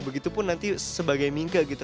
begitu pun nanti sebagai mingke gitu